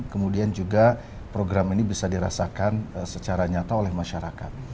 kemudian juga program ini bisa dirasakan secara nyata oleh masyarakat